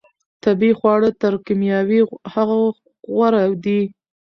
طبیعي خواړه تر کیمیاوي هغو غوره دي.